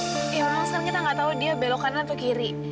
ya memang sekarang kita gak tau dia belok kanan atau kiri